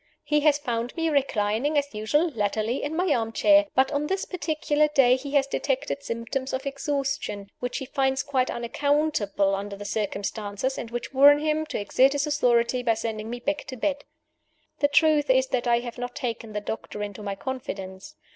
He has found me reclining as usual (latterly) in my arm chair; but on this particular day he has detected symptoms of exhaustion, which he finds quite unaccountable under the circumstances, and which warn him to exert his authority by sending me back to my bed. The truth is that I have not taken the doctor into my confidence.